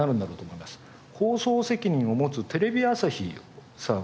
放送責任を持つテレビ朝日さん